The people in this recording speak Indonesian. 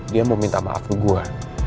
dia mau minta maafin gue